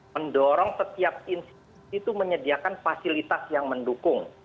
mendorong setiap institusi itu menyediakan fasilitas yang mendukung